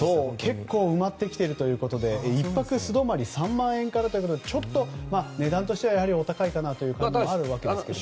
結構埋まってきているということで１泊素泊まり３万円からということでちょっと値段としてはやはりお高いかなというところもあるわけですけども。